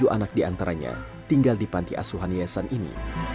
dua puluh tujuh anak diantaranya tinggal di panti asuhan yayasan ini